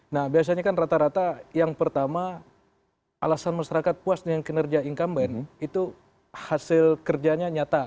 nah biasanya kan rata rata yang pertama alasan masyarakat puas dengan kinerja incumbent itu hasil kerjanya nyata